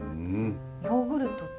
ヨーグルトと？